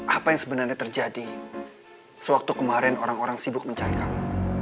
apa yang sebenarnya terjadi sewaktu kemarin orang orang sibuk mencari kamu